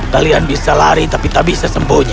kalian bisa lari tapi tak bisa sembunyi